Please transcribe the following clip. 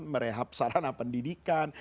kehap sarana pendidikan